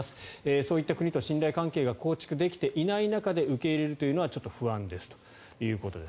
そういった国と信頼関係が構築できていない中で受け入れるのは不安ですということです。